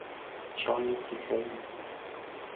چای کیسه ای